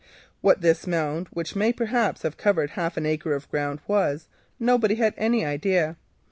What this mound, which may perhaps have covered half an acre of ground, was, nobody had any idea.